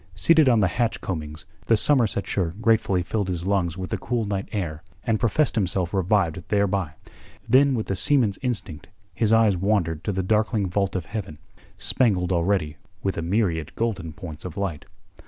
Seated on the hatch coamings, the Somersetshire lad gratefully filled his lungs with the cool night air, and professed himself revived thereby. Then with the seaman's instinct his eyes wandered to the darkling vault of heaven, spangled already with a myriad golden points of light.